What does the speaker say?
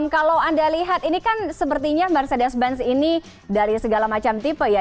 kalau anda lihat ini kan sepertinya mercedes benz ini dari segala macam tipe ya